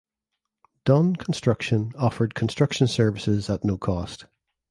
Dunn Construction offered construction services at no cost.